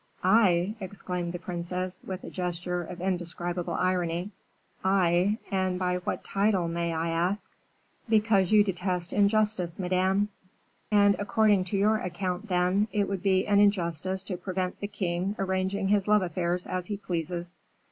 "I!" exclaimed the princess, with a gesture of indescribable irony; "I! and by what title, may I ask?" "Because you detest injustice, Madame." "And according to your account, then, it would be an injustice to prevent the king arranging his love affairs as he pleases."